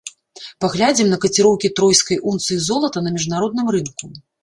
Паглядзім на каціроўкі тройскай унцыі золата на міжнародным рынку.